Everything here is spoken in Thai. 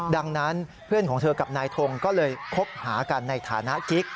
ดังนั้นเพื่อนของเธอกับนายทงก็เลยคบหากันในฐานะกิ๊ก